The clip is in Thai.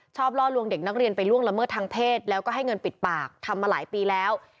ล่อลวงเด็กนักเรียนไปล่วงละเมิดทางเพศแล้วก็ให้เงินปิดปากทำมาหลายปีแล้ว